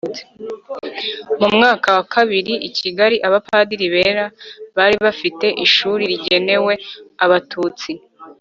Mu mwaka wa bibiri, i Kigali, Abapadiri bera bari bafite ishuli rigenewe Abatutsi